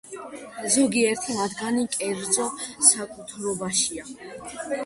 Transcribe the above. ზოგიერთი მათგანი კერძო საკუთრებაშია.